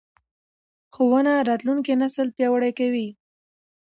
ښوونه راتلونکی نسل پیاوړی کوي